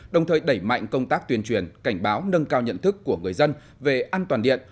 đồng thời đẩy mạnh công tác tuyên truyền cảnh báo nâng cao nhận thức của người dân về an toàn điện